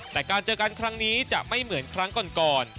แต่การเจอกันครั้งนี้จะไม่เหมือนครั้งก่อน